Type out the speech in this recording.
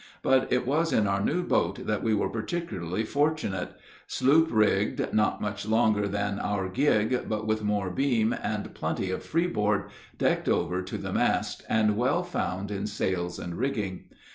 But it was in our new boat that we were particularly fortunate: sloop rigged, not much longer than our gig, but with more beam and plenty of freeboard, decked over to the mast, and well found in sails and rigging.